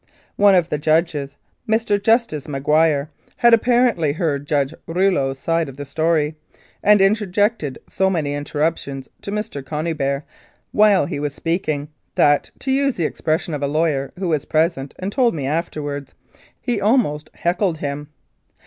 One of the judges, Mr. Justice Maguire, had apparently heard Judge Rouleau's side of the story, and interjected so many interruptions to Mr. Cony beare while he was speaking, that, to use the expression of a lawyer who was present and told me afterwards, he almost "heckled " him.